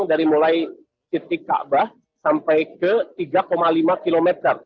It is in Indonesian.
dari mulai titik kaabah sampai ke tiga lima km